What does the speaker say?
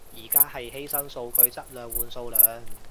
而家係犧牲數據質量換數量